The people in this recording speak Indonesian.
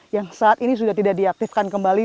yang saat ini sudah tidak diaktifkan kembali